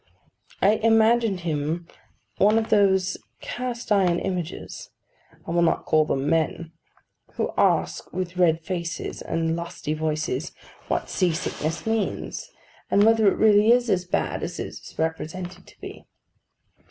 I imagined him one of those cast iron images—I will not call them men—who ask, with red faces, and lusty voices, what sea sickness means, and whether it really is as bad as it is represented to be.